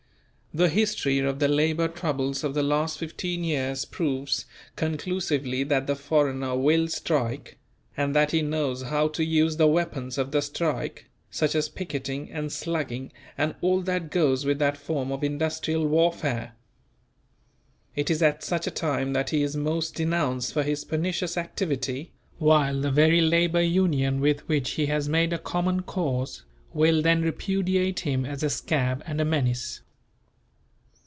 The history of the labour troubles of the last fifteen years proves conclusively that the foreigner will strike; and that he knows how to use the weapons of the strike, such as picketing and slugging and all that goes with that form of industrial warfare. It is at such a time that he is most denounced for his pernicious activity; while the very Labour Union with which he has made a common cause, will then repudiate him as a "scab" and a menace.